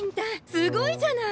すごいじゃない！